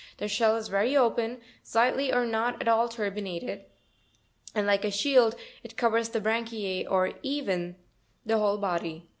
Their shell is very open, slightly or not at all turbinated, and, like a shield, it covers the branchize or even the whole body.